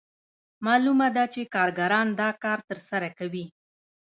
معلومه ده چې کارګران دا کار ترسره کوي